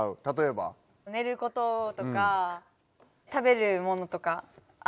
たとえば？ねることとか食べるものとか。